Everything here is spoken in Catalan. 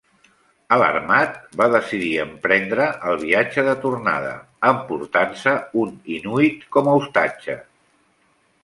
Alarmat, va decidir emprendre el viatge de tornada, emportant-se un inuit com a ostatge.